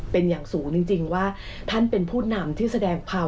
เป็นอย่างสูงจริงว่าท่านเป็นผู้นำที่แสดงความ